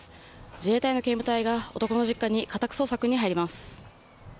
自衛隊の警務隊が男の実家に家宅捜索に入ります。